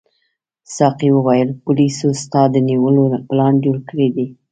ساقي وویل پولیسو ستا د نیولو پلان جوړ کړی دی.